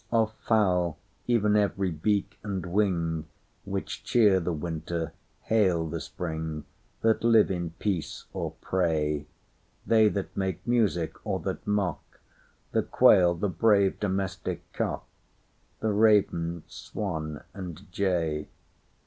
Of fowl—even every beak and wingWhich cheer the winter, hail the spring, That live in peace or prey; They that make music, or that mock, The quail, the brave domestic cock. The raven, swan, and jay.